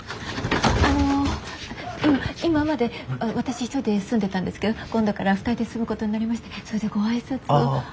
あの今まで私一人で住んでたんですけど今度から２人で住むことになりましてそれでご挨拶を。